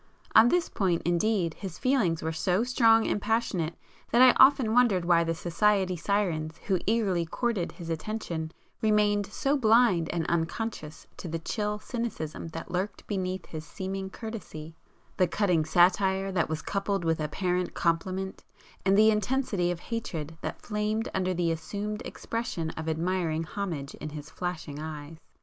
On this point indeed his feelings were so strong and passionate that I often wondered why the society sirens who [p 166] eagerly courted his attention remained so blind and unconscious to the chill cynicism that lurked beneath his seeming courtesy,—the cutting satire that was coupled with apparent compliment, and the intensity of hatred that flamed under the assumed expression of admiring homage in his flashing eyes.